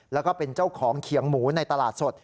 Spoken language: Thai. แล้วก็เป็นเจ้าของเขียงหมูในตลาดสด